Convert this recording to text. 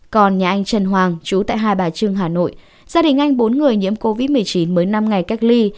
còn nhà anh trần hoàng chú tại hai bà trưng hà nội gia đình anh bốn người nhiễm covid một mươi chín mới năm ngày cách ly